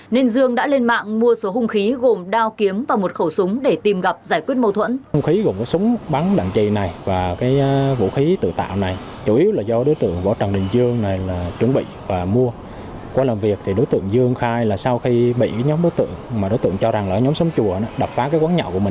nên dương đã lên mạng mua số hung khí gồm đao kiếm và một khẩu súng để tìm gặp giải quyết mâu thuẫn